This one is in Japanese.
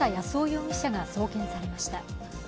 容疑者が送検されました。